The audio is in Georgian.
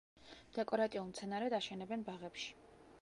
დეკორატიულ მცენარედ აშენებენ ბაღებში.